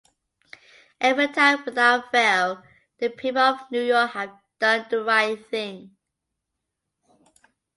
Every time, without fail, the people of New York have done the right thing.